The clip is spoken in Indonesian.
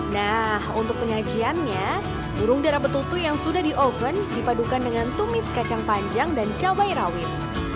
nah untuk penyajiannya burung darah betutu yang sudah di oven dipadukan dengan tumis kacang panjang dan cabai rawit